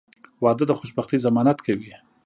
• واده د خوشبختۍ ضمانت کوي.